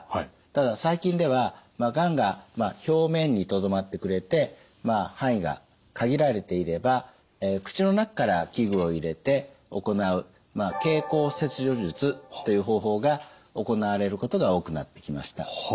ただ最近ではがんが表面にとどまってくれて範囲が限られていれば口の中から器具を入れて行う経口切除術という方法が行われることが多くなってきました。